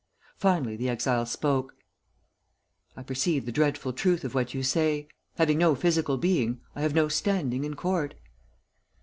Finally the exile spoke: "I perceive the dreadful truth of what you say. Having no physical being, I have no standing in court."